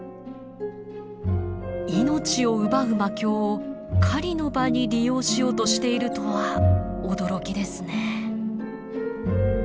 命を奪う魔境を狩りの場に利用しようとしているとは驚きですね。